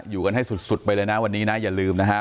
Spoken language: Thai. อยู่กันให้สุดไปเลยนะวันนี้นะอย่าลืมนะฮะ